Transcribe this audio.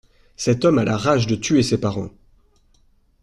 Cet homme a la rage de tuer ses parens.